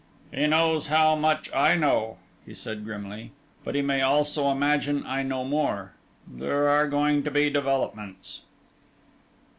"He knows how much I know," he said, grimly, "but he may also imagine I know more there are going to be developments."